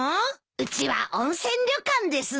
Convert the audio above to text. うちは温泉旅館ですので。